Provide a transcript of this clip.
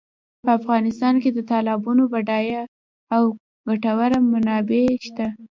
په افغانستان کې د تالابونو بډایه او ګټورې منابع شته.